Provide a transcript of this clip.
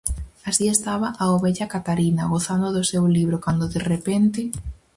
Así estaba a ovella Catarina, gozando do seu libro, cando de repente...